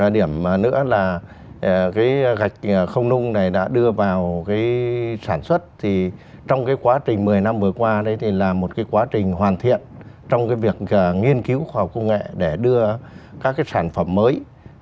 điểm nữa là gạch không nung đã đưa vào sản xuất trong quá trình một mươi năm vừa qua là một quá trình hoàn thiện trong việc nghiên cứu khoa học công nghệ để đưa các sản phẩm mới